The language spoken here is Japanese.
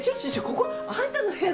ここあんたの部屋！